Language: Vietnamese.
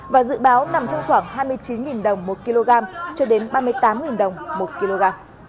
và dự báo nằm trong khoảng hai mươi chín đồng một kg cho đến ba mươi tám đồng một kg